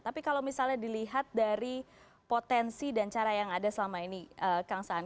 tapi kalau misalnya dilihat dari potensi dan cara yang ada selama ini kang saan